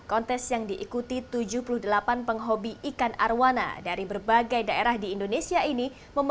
kontes yang diikuti tujuh puluh delapan penghobi ikan arwana dari berbagai daerah di indonesia ini